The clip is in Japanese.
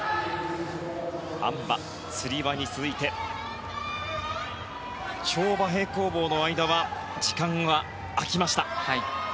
あん馬、つり輪に続いて跳馬、平行棒の間は時間は空きました。